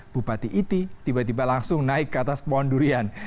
bupati iti tiba tiba langsung naik ke atas pohon durian